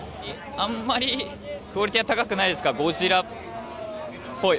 あんまりクオリティーは高くないですが、ゴジラっぽい。